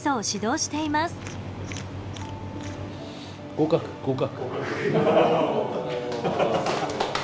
合格合格。